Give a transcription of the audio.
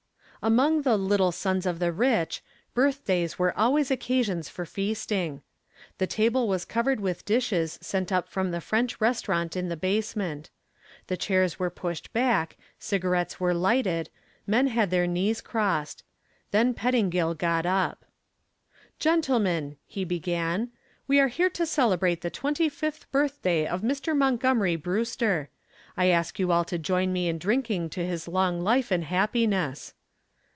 Among the "Little Sons of the Rich," birthdays were always occasions for feasting. The table was covered with dishes sent up from the French restaurant in the basement. The chairs were pushed back, cigarettes were lighted, men had their knees crossed. Then Pettingill got up. "Gentlemen," he began, "we are here to celebrate the twenty fifth birthday of Mr. Montgomery Brewster. I ask you all to join me in drinking to his long life and happiness."